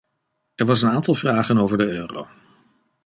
Er was een aantal vragen over de euro.